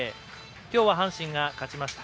今日は阪神が勝ちました。